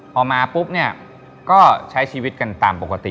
พอมาปุ๊บเนี่ยก็ใช้ชีวิตกันตามปกติ